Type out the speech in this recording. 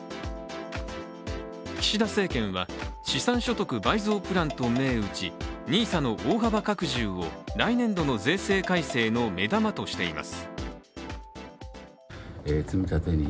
岸田政権は資産所得倍増プランと銘打ち、ＮＩＳＡの大幅拡充を来年度の税制改正の目玉としています。